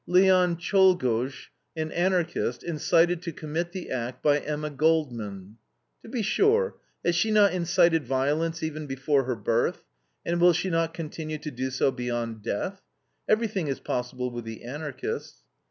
"Leon Czolgosz, an Anarchist, incited to commit the act by Emma Goldman." To be sure, has she not incited violence even before her birth, and will she not continue to do so beyond death? Everything is possible with the Anarchists.